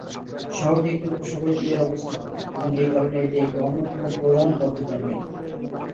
শহরটি একটি উপসাগরের তীরে অবস্থিত, এবং এই কারণে এটি একটি অন্যতম প্রধান পর্যটন কেন্দ্র।